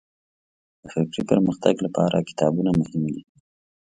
د فکري پرمختګ لپاره کتابونه مهم دي.